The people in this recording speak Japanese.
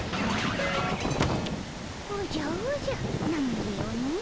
おじゃおじゃなんぎよの。